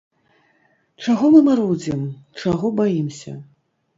Чаго мы марудзім, чаго баімся?